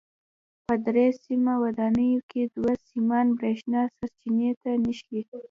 په درې سیمه ودانیو کې دوه سیمان برېښنا سرچینې ته نښلي.